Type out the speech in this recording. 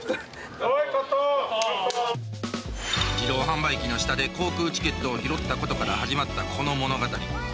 自動販売機の下で航空チケットを拾ったことから始まったこの物語。